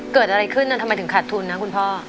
เกิดอะไรขึ้นทำไมถึงขาดทุนนะคุณพ่อ